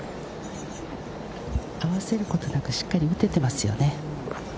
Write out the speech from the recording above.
合わせることなくしっかり打てていますよね。